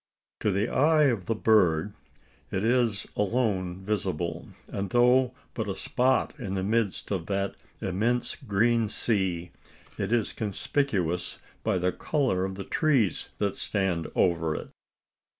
To the eye of the bird it is alone visible; and though but a spot in the midst of that immense green sea, it is conspicuous by the colour of the trees that stand over it.